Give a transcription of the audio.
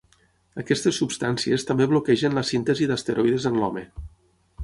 Aquestes substàncies també bloquegen la síntesi d'esteroides en l'home.